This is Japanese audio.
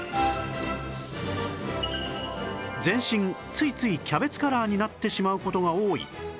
全身ついついキャベツカラーになってしまう事が多い